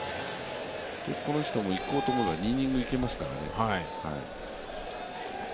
この人もいこうと思えば２イニングいけますからね。